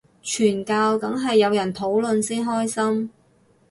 傳教梗係有人討論先開心